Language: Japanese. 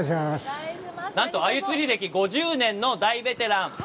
なんと、鮎釣り歴５０年の大ベテラン。